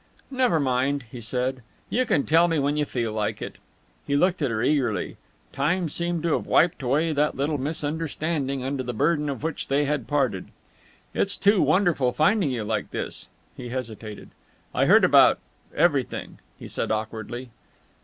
"Never mind," he said. "You can tell me when you feel like it." He looked at her eagerly. Time seemed to have wiped away that little misunderstanding under the burden of which they had parted. "It's too wonderful finding you like this!" He hesitated. "I heard about everything," he said awkwardly.